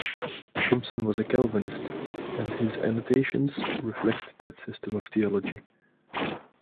Tomson was a Calvinist, and his annotations reflect that system of theology.